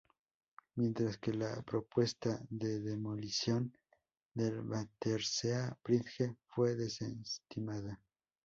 Mientras que la propuesta de demolición del Battersea Bridge fue desestimada.